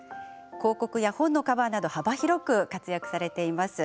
広告や本のカバーなど幅広く活躍されています。